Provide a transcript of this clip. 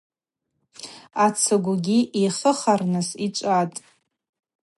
Ацыгвгьи йхыхарныс йчӏватӏ.